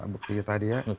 bukti tadi ya